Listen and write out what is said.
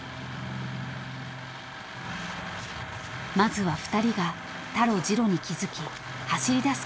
［まずは２人がタロジロに気付き走りだす